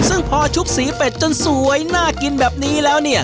ซึ่งพอชุบสีเป็ดจนสวยน่ากินแบบนี้แล้วเนี่ย